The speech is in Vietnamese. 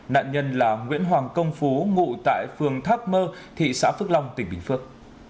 nạn nhân là nguyễn hoàng công phú ngụ tại phường thác mơ thị xã phước long tỉnh bình phước